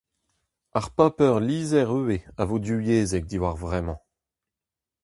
Ar paper-lizher ivez a vo divyezhek diwar vremañ.